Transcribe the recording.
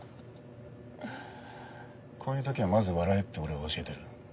こういうときはまず笑えって俺は教えている。